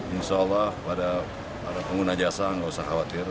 insyaallah pada pengguna jasa gak usah khawatir